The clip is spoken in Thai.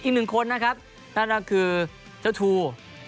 อีกหนึ่งคนนะครับนั่นก็คือเจ้าชู